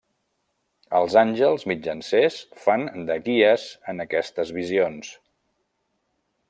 Els àngels mitjancers fan de guies en aquestes visions.